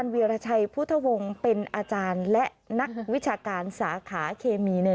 วีรชัยพุทธวงศ์เป็นอาจารย์และนักวิชาการสาขาเคมีใน